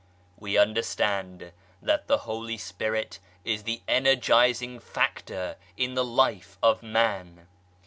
We understand that the Holy Spirit is the energizing factor in the life of man.